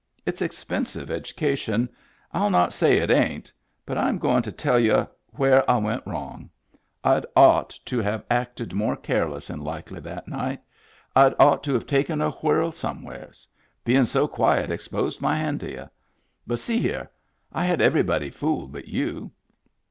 It's expensive education. Til not say it ain't. But I'm goin' to tell y'u where I went wrong. I'd ought to have Digitized by Google SPIT CAT CREEK 85 acted more careless in Likely that night. Td ought to have taken a whirl somewheres. Bein* so quiet exposed my hand to y'u. But, see here, I had everybody fooled but you."